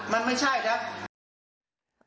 มันไม่ใช่นะ